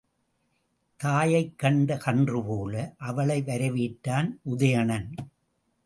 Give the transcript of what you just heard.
தாயைக் கண்ட கன்றுபோல அவளை வரவேற்றான் உதயணன்.